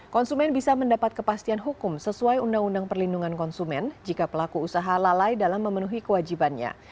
konsumen bisa mendapat kepastian hukum sesuai undang undang perlindungan konsumen jika pelaku usaha lalai dalam memenuhi kewajibannya